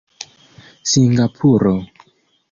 singapuro